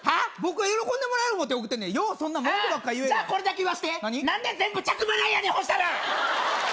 喜んでもらえる思って送ってんようそんな文句ばっかりじゃあこれだけ言わして何で全部着払いやねん！